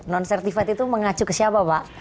non certified itu mengacu ke siapa pak